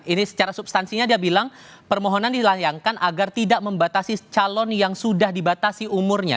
ini secara substansinya dia bilang permohonan dilayangkan agar tidak membatasi calon yang sudah dibatasi umurnya